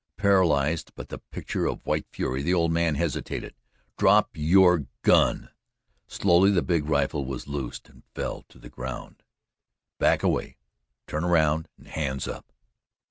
Paralyzed, but the picture of white fury, the old man hesitated. "Drop your gun!" Slowly the big rifle was loosed and fell to the ground. "Back away turn around and hands up!"